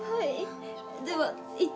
はい。